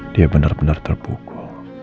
dia benar benar terpukul